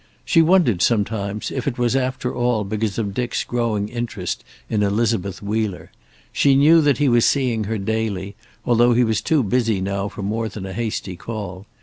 She wondered, sometimes, if it was after all because of Dick's growing interest in Elizabeth Wheeler. She knew that he was seeing her daily, although he was too busy now for more than a hasty call.